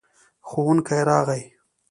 ښوونکی راغی.